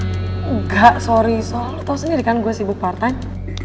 nggak sorry soalnya lo tau sendiri kan gue sibuk part time